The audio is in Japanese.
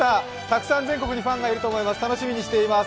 たくさん全国にファンがいると思います。